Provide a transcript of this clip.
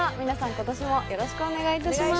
今年もよろしくお願いいたします